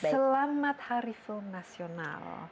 selamat hari film nasional